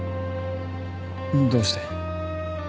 どうして？